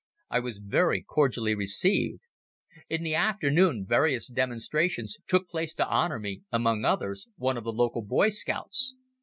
I was very cordially received. In the afternoon various demonstrations took place to honor me, among others, one of the local Boy Scouts.